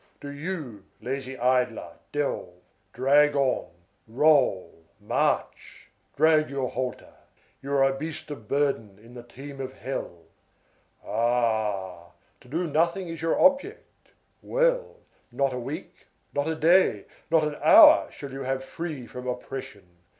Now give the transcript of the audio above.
Do you, lazy idler, delve, drag on, roll, march! Drag your halter. You are a beast of burden in the team of hell! Ah! To do nothing is your object. Well, not a week, not a day, not an hour shall you have free from oppression.